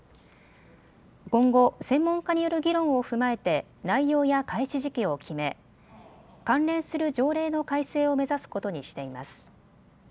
今後、専門家による議論を踏まえて内容や開始時期を決め関連する条例の改正を目指すことにしています。